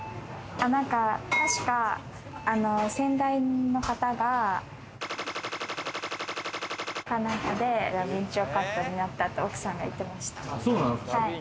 確か、先代の方が○○か何かで駄敏丁カットになったって奥さんが言ってました。